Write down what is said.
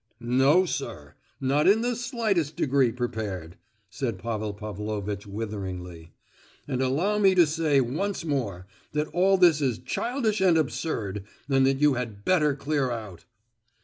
"No, sir; not in the slightest degree prepared," said Pavel Pavlovitch witheringly; "and allow me to say once more that all this is childish and absurd, and that you had better clear out!"